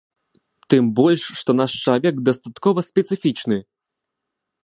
Тым больш, што наш чалавек дастаткова спецыфічны.